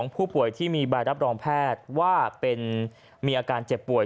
ผู้ป่วยที่มีใบรับรองแพทย์ว่ามีอาการเจ็บป่วย